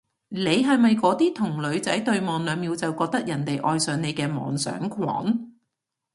你係咪嗰啲同女仔對望兩秒就覺得人哋愛上你嘅妄想狂？